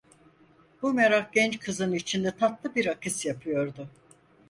Bu merak genç kızın içinde tatlı bir akis yapıyordu.